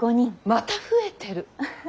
また増えてる。